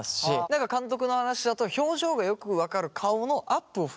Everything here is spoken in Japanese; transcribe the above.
何か監督の話だと表情がよく分かる顔のアップを増やした。